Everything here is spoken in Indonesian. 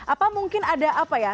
apa mungkin ada apa ya